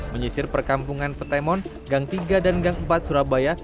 menyisir perkampungan petemon gang tiga dan gang empat surabaya